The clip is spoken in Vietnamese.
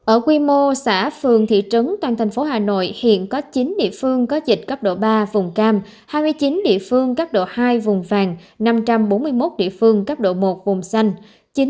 ở quy mô xã phường thị trấn toàn thành phố hà nội hiện có chín địa phương có dịch cấp độ ba vùng cam hai mươi chín địa phương cấp độ hai vùng vàng năm trăm bốn mươi một địa phương cấp độ một vùng xanh